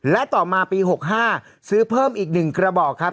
และต่อมาปี๖๕ซื้อเพิ่มอีก๑กระบอกครับ